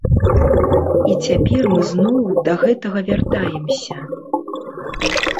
І цяпер мы зноў да гэтага вяртаемся.